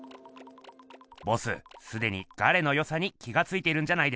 ボスすでにガレのよさに気がついているんじゃないですか？